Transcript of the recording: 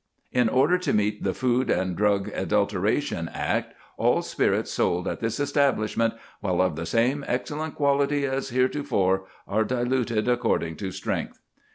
"In order to meet the Food and Drugs Adulteration Act, all spirits sold at this establishment, while of the same excellent quality as heretofore, are diluted according to strength."